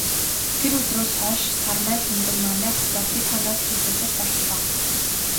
Тэр өдрөөс хойш Сармай Лхүндэв манай хотоор хэд хоноод л үзэгдэх боллоо.